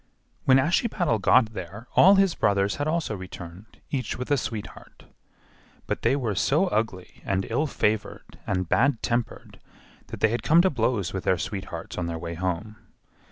When Ashiepattle got there all his brothers had also returned, each with a sweetheart; but they were so ugly and ill favored and bad tempered that they had come to blows with their sweethearts on their way home.